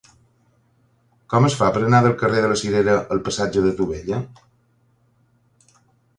Com es fa per anar del carrer de la Cirera al passatge de Tubella?